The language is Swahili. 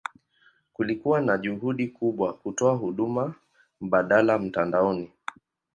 Kulikuwa na juhudi kubwa kutoa huduma mbadala mtandaoni.